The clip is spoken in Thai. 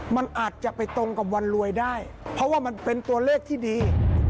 มันอาจจะไปตรงกับวันรวยได้เพราะว่ามันเป็นตัวเลขที่ดี